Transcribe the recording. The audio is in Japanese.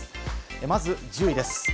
まず１０位です。